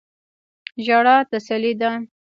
ژړا تسلی ده.